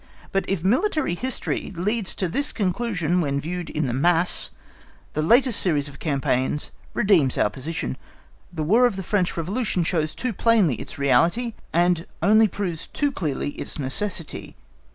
But if military history leads to this conclusion when viewed in the mass the latest series of campaigns redeems our position. The War of the French Revolution shows too plainly its reality, and only proves too clearly its necessity.